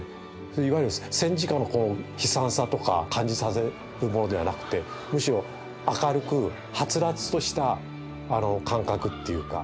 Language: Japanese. いわゆる戦時下の悲惨さとか感じさせるものではなくてむしろ明るくはつらつとした感覚っていうか。